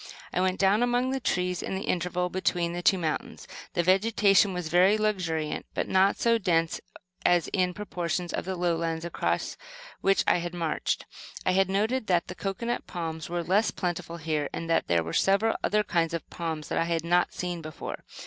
I went down among the trees in the intervale between the two mountains. The vegetation was very luxuriant, but not so dense as in portions of the lowlands across which I had marched. I had noted that the cocoanut palms were less plentiful here, and that there were several other kinds of palms that I had not seen before.